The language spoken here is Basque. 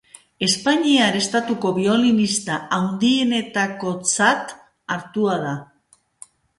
Espainiar estatuko biolinista handienetakotzat hartua da.